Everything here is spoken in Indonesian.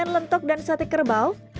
lentok dan sate kerbau